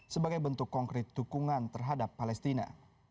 sebagai bentuk konkret dukungan terhadap palestina